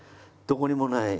どこにもない。